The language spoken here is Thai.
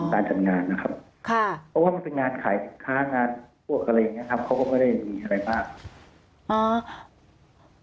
การจัดงานนะครับค่ะเพราะว่ามันเป็นงานขายค้างานพวกอะไรอย่างนี้ครับเขาก็ไม่ได้มีอะไรมาก